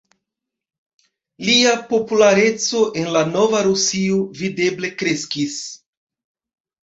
Lia populareco en la nova Rusio videble kreskis.